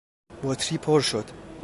بطری پر شد.